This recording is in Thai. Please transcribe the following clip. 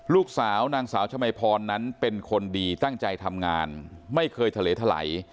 ลูกสาวนางสาวชมพนเป็นคนดีตั้งใจทำงานไม่เคยเถลยเถลาย